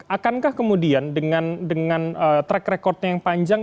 akankah kemudian dengan track record nya yang panjang